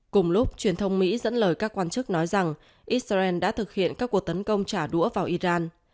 cùng lúc truyền thông mỹ dẫn lời các quan chức nói rằng israel đã thực hiện các cuộc tấn công trả đũa vào iran